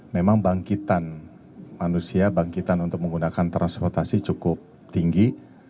memang bangkitan manusia bangkitan untuk menggunakan transportasi cukup tinggi